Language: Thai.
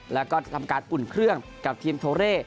แล้วก็ทำการอุ่นเครื่องกับทีมโทเร่